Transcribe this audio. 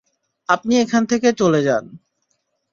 আপনি এখান থেকে চলে যান।